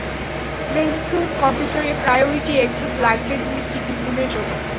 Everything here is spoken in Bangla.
মেইনফ্রেম কম্পিউটারে প্রায়োরিটি এক্সেস লাগবে দুই কি তিনদিনের জন্য।